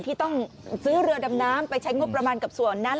ที่ต้องซื้อเรือดำน้ำไปใช้งบประมาณกับส่วนนั้น